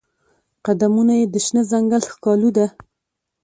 قدمونه یې د شنه ځنګل ښکالو ده